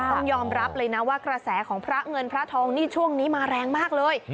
ต้องยอมรับเลยนะว่ากระแสของพระเงินพระทองนี่ช่วงนี้มาแรงมากเลย